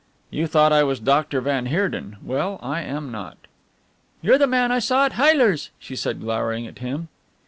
"You thought I was Doctor van Heerden? Well, I am not." "You're the man I saw at Heyler's," she said, glowering at him.